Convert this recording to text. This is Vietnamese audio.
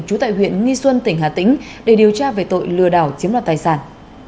trú tại huyện nghi xuân tỉnh hà tĩnh để điều tra về tội lừa đảo chiếm đoạt tài sản